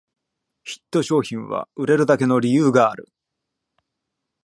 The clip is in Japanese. ヒット商品は売れるだけの理由がある